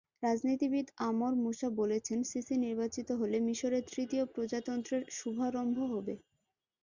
রাজনীতিবিদ Amr Moussa বলেছেন, Sisi নির্বাচিত হলে মিসরের তৃতীয় প্রজাতন্ত্রের শুভারম্ভ হবে।